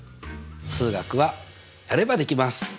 数学はやればできます！